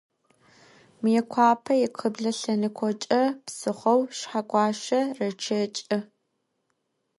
Mıêkhuape yikhıble lhenıkhoç'e psıxhou Şsheguaşe rêççeç'ı.